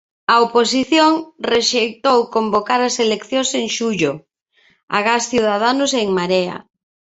A oposición rexeitou convocar as eleccións en xullo, agás Ciudadanos e En Marea.